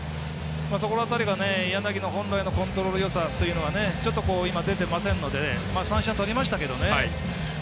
そこの辺りは柳の本来のコントロールのよさがちょっと、今、出てませんので三振はとりましたけどね。